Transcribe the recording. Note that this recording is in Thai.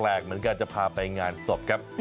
เหมือนกันจะพาไปงานศพครับ